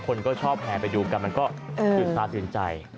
คนก็ชอบแห่ไปดูกันมันก็ตื่นตาตื่นใจ